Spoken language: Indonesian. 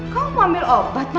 kamu mau ambil obat mas